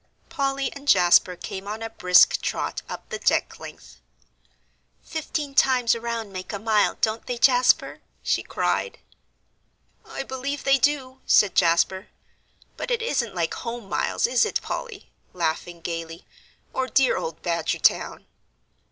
Polly and Jasper came on a brisk trot up the deck length. "Fifteen times around make a mile, don't they, Jasper?" she cried. "I believe they do," said Jasper, "but it isn't like home miles, is it, Polly?" laughing gaily "or dear old Badgertown?"